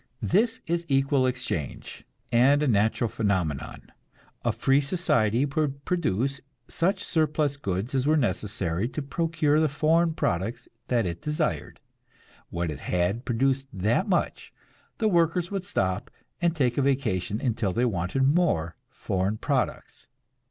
This is equal exchange, and a natural phenomenon. A "free" society would produce such surplus goods as were necessary to procure the foreign products that it desired. When it had produced that much, the workers would stop and take a vacation until they wanted more foreign products.